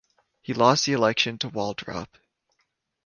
He lost the election to Waldrop.